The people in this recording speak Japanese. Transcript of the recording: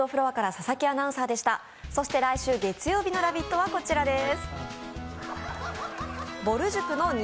そして来週月曜日の「ラヴィット！」はこちらです。